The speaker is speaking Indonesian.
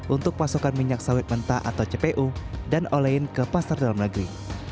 untuk pasokan minyak sawit mentah atau cpu dan olein ke pasar dalam negeri